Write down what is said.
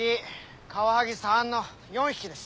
カワハギ３の４匹です。